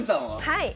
はい！